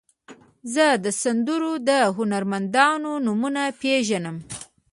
زه د سندرو د هنرمندانو نومونه پیژنم.